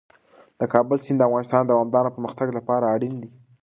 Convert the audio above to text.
د کابل سیند د افغانستان د دوامداره پرمختګ لپاره اړین دی.